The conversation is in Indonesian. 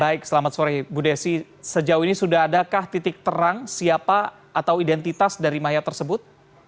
baik selamat sore bu desi sejauh ini sudah adakah titik terang siapa atau identitas dari mayat tersebut